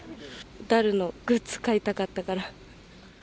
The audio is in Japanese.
ダルのグッズ買いたかったから。